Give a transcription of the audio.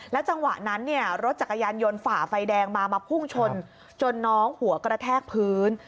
จังหวะนั้นเนี่ยรถจักรยานยนต์ฝ่าไฟแดงมามาพุ่งชนจนน้องหัวกระแทกพื้น